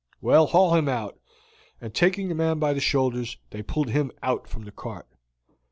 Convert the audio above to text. "Well, haul him out;" and, taking the man by the shoulders, they pulled him out from the cart.